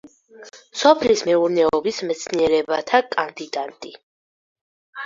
სოფლის მეურნეობის მეცნიერებათა კანდიდატი.